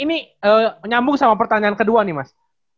ini nyambung sama pertanyaan kedua nih mas